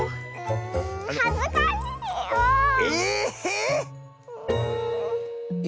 はずかしいよ！